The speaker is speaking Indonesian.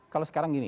kalau sekarang gini